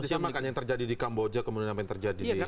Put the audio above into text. bisa disamakan yang terjadi di kamboja kemudian apa yang terjadi